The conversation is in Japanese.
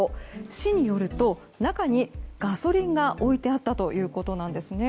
市によると、中にガソリンが置いてあったということなんですね。